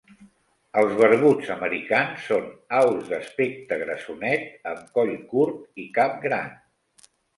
Els barbuts americans són aus d'aspecte grassonet, amb coll curt i cap gran.